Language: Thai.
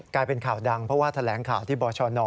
กลายเป็นข่าวดังเพราะว่าแถลงข่าวที่บชน